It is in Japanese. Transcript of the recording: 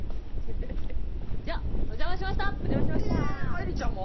愛梨ちゃんも！？